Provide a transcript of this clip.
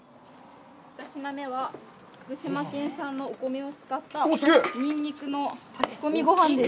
２品目は福島県産のお米を使ったニンニクの炊き込みごはんです。